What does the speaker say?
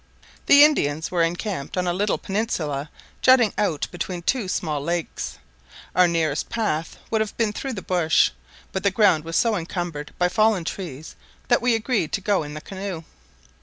The Indians were encamped on a little peninsula jutting out between two small lakes; our nearest path would have been through the bush, but the ground was so encumbered by fallen trees that we agreed to go in a canoe.